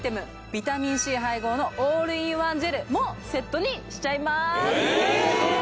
ビタミンＣ配合のオールインワンジェルもセットにしちゃいます・ええ